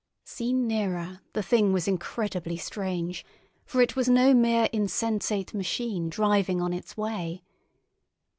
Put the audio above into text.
Seen nearer, the Thing was incredibly strange, for it was no mere insensate machine driving on its way.